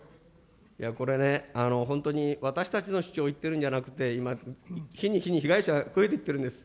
これね、本当に私たちの主張を言ってるんじゃなくて、今、日に日に被害者増えていってるんです。